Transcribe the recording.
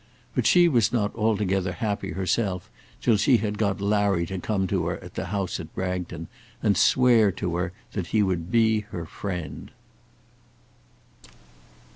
But she was not altogether happy herself till she had got Larry to come to her at the house at Bragton and swear to her that he would be her friend.